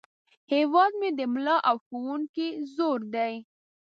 هیواد مې د ملا او ښوونکي زور دی